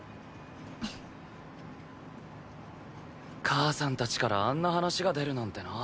母さんたちからあんな話が出るなんてな。